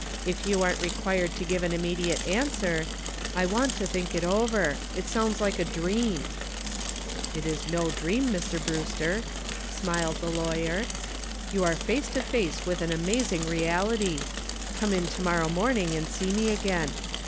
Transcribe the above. If you aren't required to give an immediate answer, I want to think it over. It sounds like a dream." "It is no dream, Mr. Brewster," smiled the lawyer. "You are face to face with an amazing reality. Come in to morrow morning and see me again.